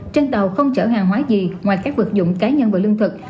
trên tàu không chở hàng hóa gì ngoài các vật dụng cá nhân và lương thực